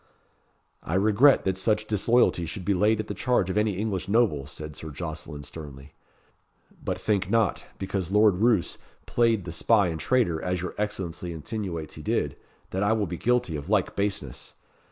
"I regret that such disloyalty should be laid to the charge of any English noble," said Sir Jocelyn sternly. "But think not, because Lord Roos played the spy and traitor, as your Excellency insinuates he did, that I will be guilty of like baseness.